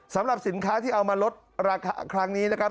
สำหรับสินค้าที่เอามาลดราคาครั้งนี้นะครับ